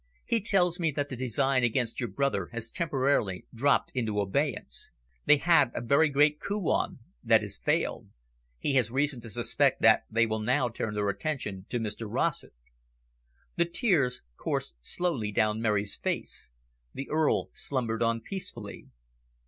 He tells me that the design against your brother has temporarily dropped into abeyance. They had a very great coup on that has failed. He has reason to suspect that they will now turn their attention to Mr Rossett." The tears coursed slowly down Mary's face. The Earl slumbered on peacefully.